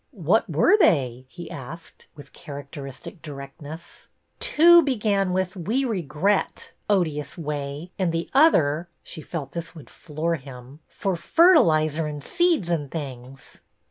"What were they?" he asked, with charac teristic directness. " Two began with, ' We regret '— odious way ! And the other "— she felt this would floor him —" for fertilizer and seeds and things."